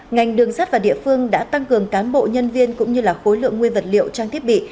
ngành đường sắt và địa phương đã tăng cường cán bộ nhân viên cũng như là khối lượng nguyên vật liệu trang thiết bị